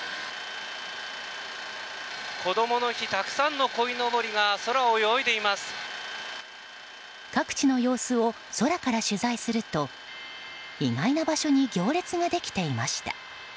こどもの日たくさんのこいのぼりが各地の様子を空から取材すると意外な場所に行列ができていました。